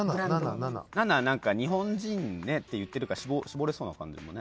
７「日本人」っていってるから絞れそうな感じもね。